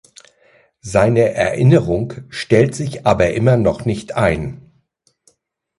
Seine Erinnerung stellt sich aber immer noch nicht ein.